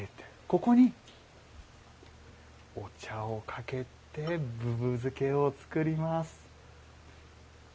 ここに、お茶をかけてぶぶ漬けを作ります。